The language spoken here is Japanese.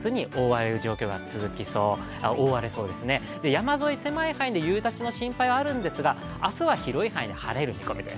山沿い、狭い範囲で夕立の心配もあるんですが、明日は広い範囲で晴れそうです。